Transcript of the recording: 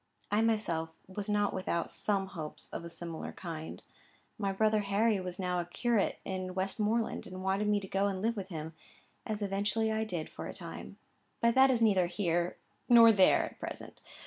I myself was not without some hopes of a similar kind. My brother Harry was now a curate in Westmoreland, and wanted me to go and live with him, as eventually I did for a time. But that is neither here nor there at present.